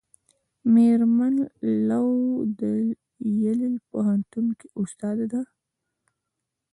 میرمن لو د ییل په پوهنتون کې استاده ده.